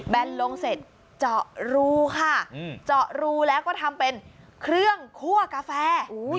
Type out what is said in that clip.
ลงเสร็จเจาะรูค่ะเจาะรูแล้วก็ทำเป็นเครื่องคั่วกาแฟ